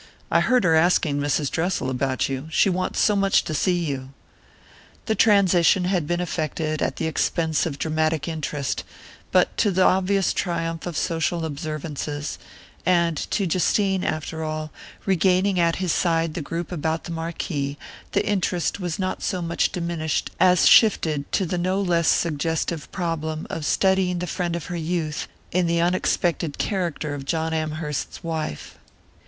I heard her asking Mrs. Dressel about you. She wants so much to see you." The transition had been effected, at the expense of dramatic interest, but to the obvious triumph of social observances; and to Justine, after all, regaining at his side the group about the marquee, the interest was not so much diminished as shifted to the no less suggestive problem of studying the friend of her youth in the unexpected character of John Amherst's wife.